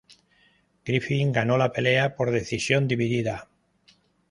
Griffin ganó la pelea por decisión dividida.